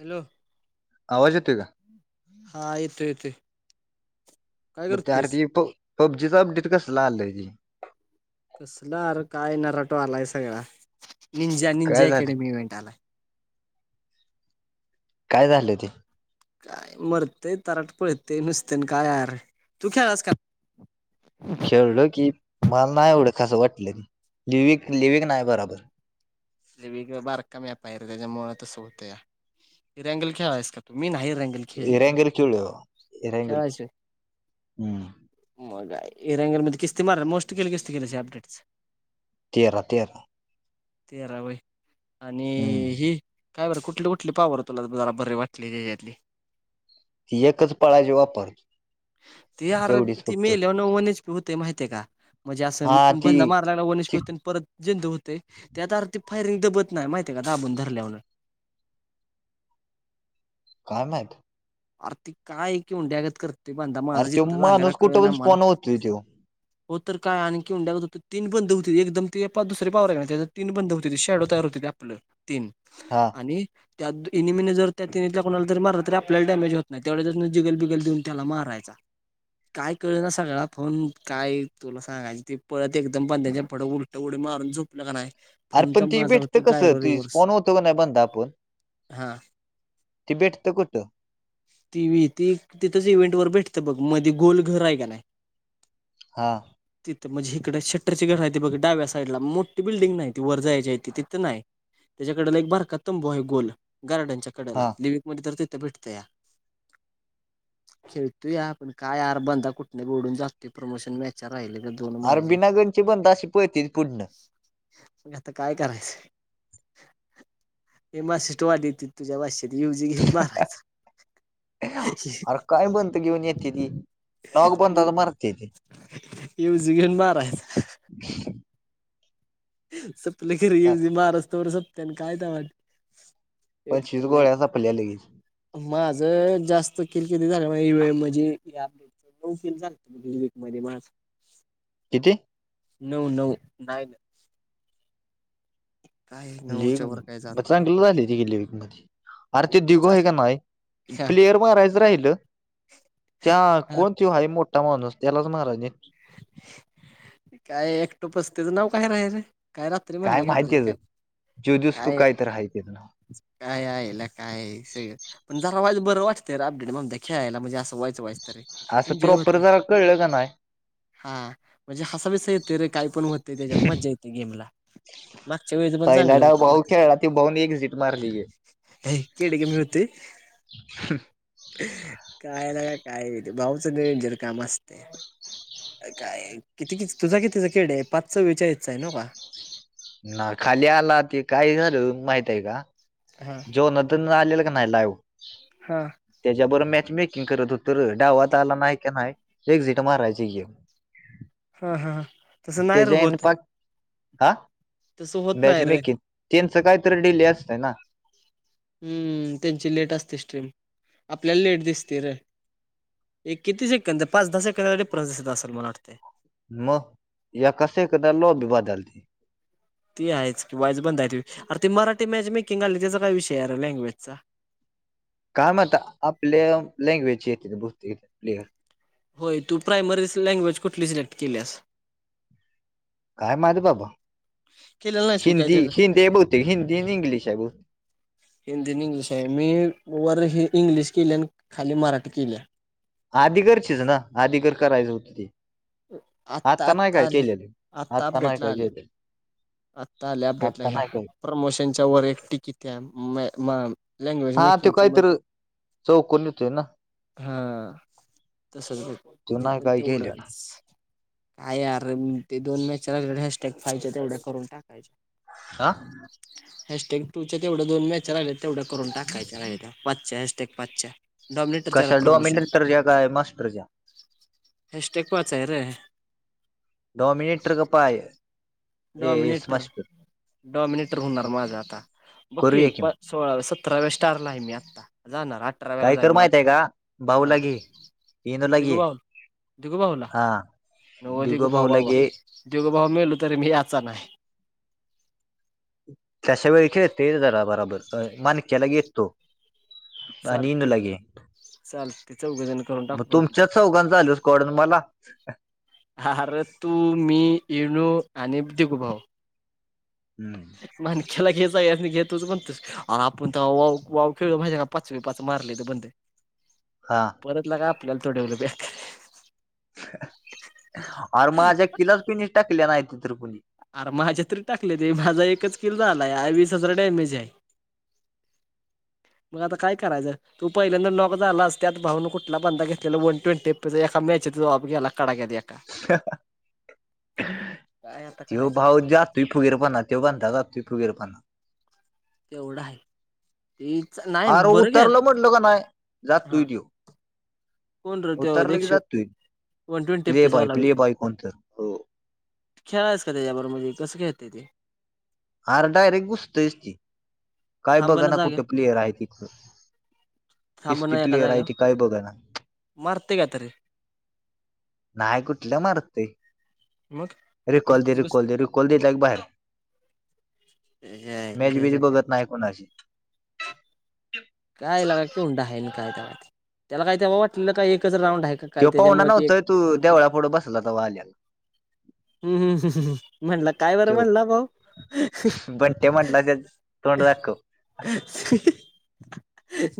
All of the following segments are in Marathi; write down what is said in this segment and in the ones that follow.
हॅलो! आवाज येतय का? हा येत येत [unintelligible] कसलं अर काय न रटो आलाय सगळा निंजा निंजी काय झालं? अकॅडमी इव्हेंट आला काय झालंय ते, काय मरतेय तट पळते नुसते ना काय यार तू ख्यालास का? खेळलं की मला नाही एवढसं वाटलं लिविक लिविक नाही बरोबर. [unintelligible] खेळायच [unintelligible] [unintelligible] तेरा तेरा तेरा व आणि हम्म. हि काय बरं कुठली कुठली पाववर तुला जला बर वाटले त्याच्यातली ती एकच पळाची वापर तेवढीच फपत वनस्पती होते माहितीय का म्हणजे असं हा ती बंदा मारल्या ती वनस्पती होते परत जंतू होते. त्यात आरती फायरिंग दबत नाही माहिती आहे का दाबून ठरल्यावरून. काय माहित. आर्थिक काय कि उंड्यागत कर. अरे त माणूस कुठे पण स् पोन होतती तो. हो तर काय आणखीं्या तीन बंद होते एकदम ते दुसरे पावरे त्या तीन बंद होते ते शेडो तयार हो. आपलं तीन. हा आणि त्या इनिमिने जर त्या तिनतल्या कोणाला तरी मार त. आपल्या डॅमेज होत नाही तेवढ्या जसून जिगल बिगल देऊन त्याला मारायचा. काय कळेलं ना सगळळा फोन काय तुला सांगाय ते पळत एकदम पण त्यांच्या पढ उल. तेवढे मारून झोपलं का नाही. अर पण फोनचा ती माझा भेटत होतो कसं गायरो तु रिव्हर्स फोन होतो का नाही बंद आपण. हा तिबेट तो कुतो ती व्ही ती तिथंच इव्हेंट वर भेटतं बघ मध्ये गोल घर आहे का नाही हां तिथं म्हणजे इकडडे श्टरची घर आहे ते बघ डव्या साडला मोठी बिल्डिंग नाही त वर जाायच्या ते तिथं नाही त्याच्याकडेला एक बारका तंबू आहे गोल गार्डनच्या कड्याला. हा. मग तर तिथ भेटतया. खेळतो या पण काय यार बंदा कुठन पण बघडून जातोय प्रमोशन चार राहिल का अर माझ्या बीना गंची बांदा अशी पळती पुढण. मग आता काय करायचं हे म सिटोवा देत तुझ्या भाषेत. अरे [unintelligible] काय बंद घेऊन येते ती? नॉक बंदाच मारते ती युजी गण मारायचा. [unintelligible] संपलं की रे युजी मारूस तवर सपत्या आणि काय [unintelligible] ते पंचवीस तर नाही गोळ्या सापल्या लगेच माझ जास्त किल किती झालं यू ए म्हजे [unintelligible] मधे माझं. किती? नऊ नऊ नाही काय लेग नऊच्या म वर काय जात म नाही चांगलं झालती गे लेग मध्ये. अर ते कुठच दिगो आहे का नाही प्लेयर मारायचं राहिलं. त्या कोण तो हाय मोठा माणूस त्यालाच महाराज काय एकटोपच त्याचं नाव काय राय च काय रात्री काय म्हणला आपल्याला माहितीच काय जो दिवस तू काय. तर आहे ते काय आयला काय एक स पण जरा वयच बंर वाटतं अपडेट खेळाय म्हणजे असंयचयचं. असं प्रॉपर जरा कळलं का नाय हा म्हणजे हसा विसा येत रे काही पण होते त्याच्यात मज्जा येते गेम ला मागच्या वेळ पहिला डाव भाऊ खेळला ती भाऊ नी एक झीत मारली हे. अय किड कमी होतयं हम्म काय ला का काय भाऊचं डेंजर काम असतयं. काय किती किती तुझा कितीचा खेड आहे पाच चव्वेचाळीस आहे नवं का. ना खाली आला की काय झाल माहित आहे का? हम्म डोना त्यांना आलेल का नाही लाइव. हा. त्याच्याबर मॅच मेकिंग करत होतो र! डावात आला नाही की नाही, एक्झिट मारायची येऊन. हा हा तसं नाही रे त्याज्यायान होत पाक आ! तसं होत मॅच नाही रे मेकींग त्यांच काहीतरी डिले असतंय ना. ह्म त्यांची लेट असते स्ट्रीम. आपल्याला लेट दिसते र! एक किती सेकंद, पाच-दहा सेकंदाचा डीफ्रन्स दिसत असंल मला वाटतय म एका सेकंदाला नोंदी बदलली ती आहेच की वाईज बंद आहे ती अर ते मराठी मॅच मेकिंग आली त्याचा काय विषय आरे लँग्वेजचा काय म्हणता आपल्या लँग्वेजची येतेत बहुतेक प्लेयर होय तू प्रायमरीज लँग्वेज कुठली सिलेक्ट केल्यास काय माहीती बाबा. केलेला नाहीस होय काय त्याचं? हिंदी-हिंदी आहे बहुतेक, हिंदी आणि इंग्लिश आहे बहु हिंदीन-इंग्लिश आहे. मी वर ही इंग्लिश केल्यान, खाली मराठी केल्या. आधी घरचीच ना आधी घर करायचं होतं ते आत्ता नाही काय केलेत आत्ता नाही अपडेटला काय आल्या केले. आत्ता आले अपडेटला ह्या प्रमोशनच्या वर एक टिकीट घ्या म लँग्वेज हा तो मेकिंगच मग काहीतरी चौकून येतोय ना हा. तसच बग तो ते नाही पण काय केलेला तेवढच. काय यार ते दोन मॅच हशटॅग फायच्या तेवढ्या करून टाकायच्या. हां. हॅशटॅग टूच्या तेवढ्या दोन मॅच राहिल्या, तेवढ्या करून टाकायच्या राहिल्याता. पाचच्या हॅशटॅक पाचच्या. डॉमिनेटरच्या कशा डोमिनल तरजॅक आहे मास्टरच्या? हॅशटॅक वाचाय र डाॅमीनेटर्ग पाय A S dominator, master dominator होणार माझा आता बगकी करूया कि प सोळाव्या-सतराव्या स्टारला, आहे मी आत्ता जाणार अठराव्याला काय जाईल कर मला माहित आहे वाटते. का? हा भाऊला घे, येनूला घे. दिगुभाऊला हा नको दिगो दिगुभाऊ भाऊला बाबा घे दिगुभाऊ मेल तरी, मी याचा नाही तशा वेळी खेळतील जरा बराबर अ मणक्याला येतो चालतंय की चालतंय चौघंजण करून टाकू कंप्लीट कडून मला हा आरं तू, मी, इनू आणि दिघू भाऊ हम्म् माणक्याला घे, सगळ्यांसनी घे तूच म्हणतो आण आपण तर वाॅव-वाॅव खेळलो म्हायती का? पाचवी पाच मारलेत बंद हा परत लका आपल्याला तोडेव्हल बॅक आर माझ्या किलाच कुणी टाकल्या नाय [unintelligible] आर माझ्या तरी टाकले ते माझा एकच किल झालाय वीस हजार डॅमेज हाय. मग आता काय करायचं? तू पहिल्यांदा नॉक झालास त्यात भाऊन कुठला बंदा घेतलेला वन ट्वेंटी एफ पी एका मॅचेतच ऑफ गेला एका कडक्यात एक काय आता त्यो करायचं भाऊ जास् तू फुगीरपना त्यो बांदा का तू फुगीरपना तेवढं आहे तेच नाही आर बरं घ्यात उतरलो म्हटला का नाही जातुय हा त्यो. कोण र त्यो उतरलं की देक्षित जातोय one twenty F play P S boy वाला व्हय प्ले त्यो. बॉय कोणतर हो खेळलायस का त्याच्यारोबर म्हजे कस खेळतय ते? आर डायरेक्ट घुसतयच ती काय बघा थांबना ना जाग्या कुठ प्लेयर आहे तिथं. किस्ती थांबना एका प्लेयर आहे जाग्यावर ती काय बघ ना. मारते का तरी नाही कुठल मारतय. मग. रिकॉल दे नुसतच बस रिकॉल दे रिकॉल दिला की बाहेर यायला मॅच बीज त्याच्या काय बघत नाही. कोणाची. कायला काय कुंडा आहे ना काय ते त्याला काय तेव्हा वाटलेलं काय एकच राऊंड आहे का? काय तो पाहुणा त्याच्यामुळे ते न्हतंय तू देवळाप पुढं बसलाता आल्याला हम्म हम् हम् म्हटलं काय बरं तो म्हणला भाऊ बंट्या म्हटला त्या तोंड दाखव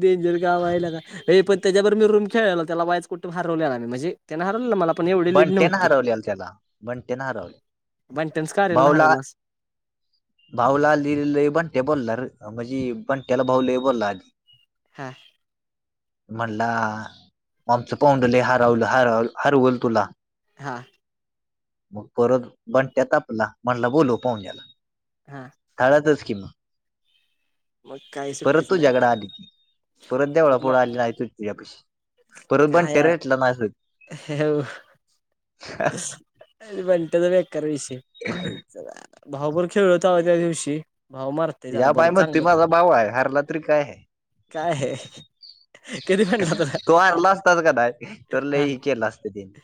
डेंजर काम आहे लका हे पण त्याच्याबरोर मी रूम खेळाला त्याला वायच कुठे हारवलेला म्हणजे त्यान हरवलेलं मला पण एवढे लिड बंट्यानं नव्हती. हरवलेला त्याला बंट्यानं हरवले बंण्ट्या त्यांनच काल ना भाऊला हरवलंस [unintelligible] भाऊला आली बंट्या बोलला र म्हणजे बंट्याला भाऊ ल बोलला आधी. हां. म्हणला आमचं पाऊंडलय हरवलं-हरवलं-हरवलं तुला. हा. मग परत बंट्या तपला म्हणला बोलव पाहून्याला. हा हळदच कि म मग काय परत तुझ्याकड आली परत [unintelligible] परत बण्ट्या काय ते यार रेटलं ना असं बंण्ट्या चा बेकार विषय भावभर खेळल तवा त्या दिवशी भाव मारत या बाई मती माझा भाऊ आहे हरला तरी काय. काय आहे. कधी म्हणलं तुला? तो हरला असताच कनाय तर लय हा ही केला असतं तिने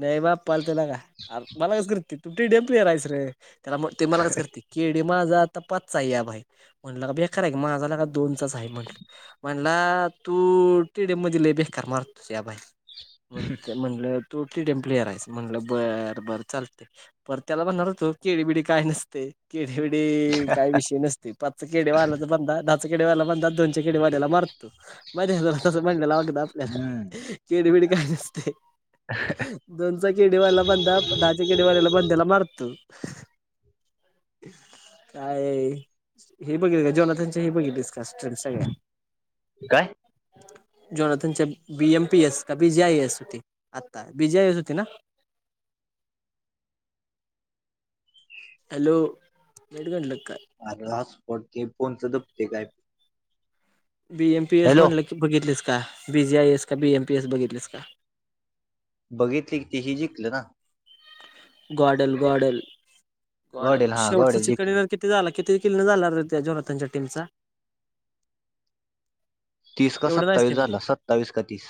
नाही बापा लते ना कार मला कस करते तुम डेमपली आहे रायस रे त्याला म ते मला कस करते. केडे माझा आता पाचचा आहे या भाई म्हणलं का बेकार आहे माझाला काा दोन च आहे म्हणलं, म्हणला तू टिडेफ मधे लयी बेकार मारतो या बाई म्हण म्हणलं, तू टीडयम प्लेयर आहेस म्हटलं बरं बरं चालते. पर त्याला म्हणणार होतो केळीबिडी काय नसते केडेबिडी काय विषय नसते. ते पाच केडेवाल्याच बंदा दहा च केडेवाला बंदा दोनच्या खेडेवाल्याला मारात मध्ये ज तस [unintelligible] बांडयला वागत आपल्याला हम्म चिडीबडी काय नसते. दोनचा केडीवाला बंदा दहाच्या केडीवाल्याला बंद्याला मारतो. काय? हे बघल का जेवना त्यांचे हे बघितलसं क सगळ्या, काय? जोनात बी एम पी एस का बी जी आय एस होती आता बी जी आय एस होती ना? हॅलो एड गंल का? अर हा स्पॉट ते फोनच पते काय [unintelligible] बी एम पी एस हॅलो म्हणलं बघितलीस का बीजी आय एस का बी एम पी एस बघितलीस का? बघितली कितीही जिंकलं ना. गॉडल गॉडल गॉडल गॉडेल हा शेवटचं गॉडेल चिक कधी जिंकली झालय, किती झाला किती केिल्ले झाला र त्या जोणात त्यांच्या टीमचा? तीस का एवढं नाहीच की सत्तावीस बघ झाला सत्तावीस का तीस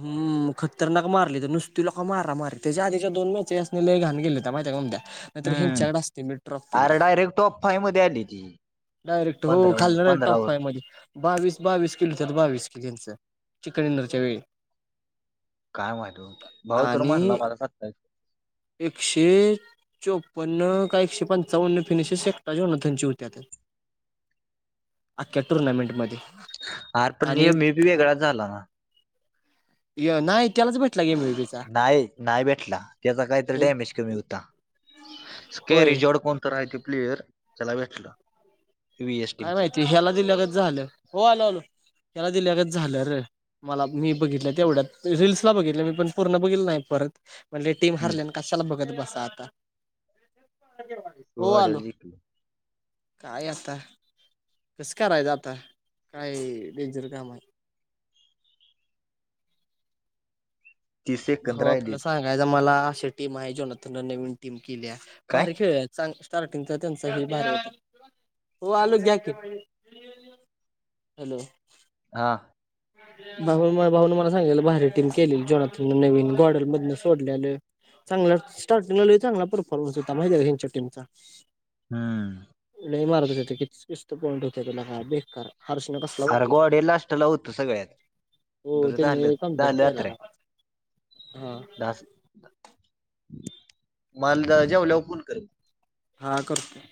हम् खतरनाक मारली तर नुसती लेका मारा मार त्याच्या आध, दोन म्या चे असलेले लयी घाण गेले माहितय काय ओ़मध्या नाहींतर हम्म हेंच्याकड असतय मेन ट्रॉपी अरे लेका. डायरेक्ट टॉप फाईव्ह मध्ये आली ती डायरेक्ट हो पंधरावर खाल्ल टॉप पंधरावर फाय मध्ये बावीस बावीस किलच तर बावीस किलचं चिकन इंदरच्या वेळी काय माहित भाऊ तर म्हटलं आणि माझ सत्ताच एकशे चोपन्न काय एकशे पंचावन्न फिनिशस एकटा जेवणात तेंची होत्यात. अख्ख्या टुर्नामेंटमध्ये. आर पण आणि नियमी बी वेगळाच झाला ना. नाही त्यालाच भेटला गे [unintelligible] नाही नाही भेटला त्याचा काहीतरी डॅमेज कमी होता होय स्कँरेज एवढ कोण तर आहे ते प्लेयर त्याला भेटलं. काय माहिती ह्याला दिल्यागत झालं हो आलो आलो ह्याला दिल्ल्यागत झालं र. मला मी बघितलं तेवढ्यात रीलल्सला बघितल्या मी पण पूर्ण बघितल नाही परत. म्हणले टीम हरले कशाला बघत बसा आता. हो आलो गोवाड्याला जिंकले काय आता कसं करायच आता काय डेंजर काम आहे. तीस सेकंद हो आपल्याला राहिलेत सांगायचा मला अशा टीम आहे जेना त नवीन टीम केल्या काय भारी खेळल्यात, संग स्टार्टिंगचा त्यांचा लयी भारी ये हो आलो घ्या कि, हॅलो [unintelligible] हां भा भाऊन मला सांगितलं भारी टीम केलेली जोनातून नवीन गॉडलमधन सोडलेलं चांगला स्टार्टिंगला लई चांगला परफॉर्मन्स होता माहितेका हेंच्या टीमचा हम्म लई मारत होते ते किसतं पॉईंट होतं ना हाल बेकार. हर्षण का? अर गोडे लास्ट ला हुतं सगळ्यात हो बर झाल, त्यांनी कमबॅक झाल केला आतऱ्या. ना हा मला जेवल्यावर फोन कर हा करतो